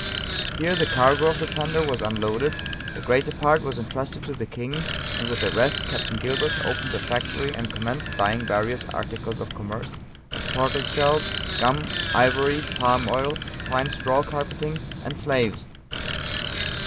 Here the cargo of the Panda was unloaded, the greater part was entrusted to the king, and with the rest Capt. Gilbert opened a factory and commenced buying various articles of commerce, as tortoise shell, gum, ivory, palm oil, fine straw carpeting, and slaves.